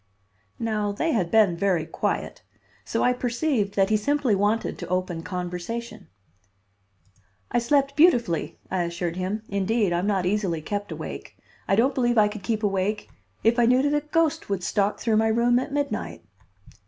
Now they had been very quiet, so I perceived that he simply wanted to open conversation. "I slept beautifully," I assured him. "Indeed, I'm not easily kept awake. I don't believe I could keep awake if I knew that a ghost would stalk through my room at midnight."